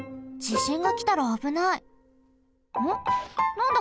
なんだ？